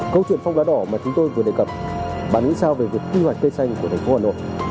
câu chuyện phong lá đỏ mà chúng tôi vừa đề cập bằng ý sao về việc kỳ hoạt cây xanh của thành phố hà nội